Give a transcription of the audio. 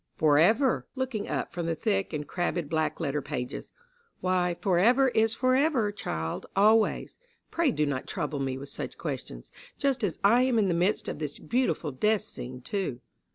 "Forever," she said, looking up from the thick and crabbed black letter pages, "why forever is forever, child always. Pray do not trouble me with such questions; just as I am in the midst of this beautiful death scene too."